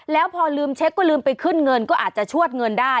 แล้วพอลืมเช็คก็ลืมไปขึ้นเงินก็อาจจะชวดเงินได้